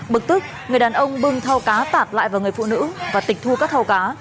bực tức người đàn ông bưng thau cá tạt lại vào người phụ nữ và tịch thu các thau cá